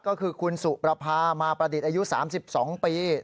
ก็คือคุณสุประพามาประดิษฐ์อายุ๓๒ปี